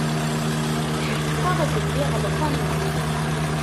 Tḥeqqeɣ belli ɣelṭen.